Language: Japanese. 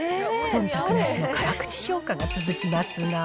そんたくなしの辛口評価が続きますが。